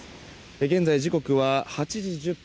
現在、時刻は８時１０分。